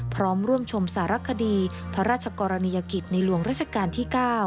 พร้อมร่วมชมสารคดีพระราชกรณียกิจในหลวงราชการที่๙